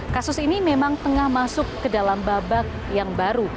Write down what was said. kasus ini memang tengah masuk ke dalam babak yang baru